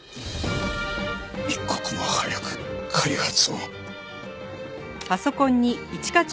一刻も早く開発を。